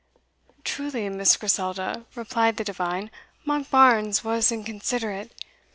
"Truly, Miss Griselda," replied the divine, "Monkbarns was inconsiderate.